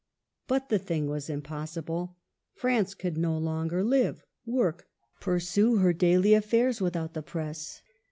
But the thing was impossible ; France could no longer live, work, pursue her daily affairs, without the Press.